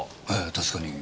確かに。